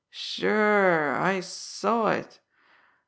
Sure, I saw it!